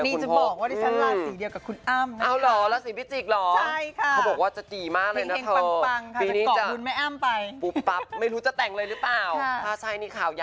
คือว่าดิฉันลาสีกับคุณอ้ามนะคะ